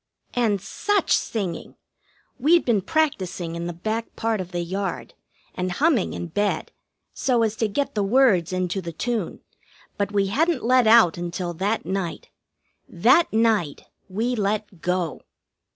And such singing! We'd been practising in the back part of the yard, and humming in bed, so as to get the words into the tune; but we hadn't let out until that night. That night we let go.